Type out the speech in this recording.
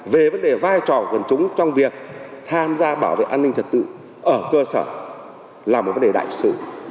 về vấn đề vai trò của quần chúng trong việc tham gia bảo vệ an ninh trật tự ở cơ sở là một vấn đề đại sự